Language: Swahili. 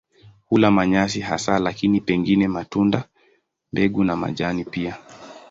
Hula manyasi hasa lakini pengine matunda, mbegu na majani pia.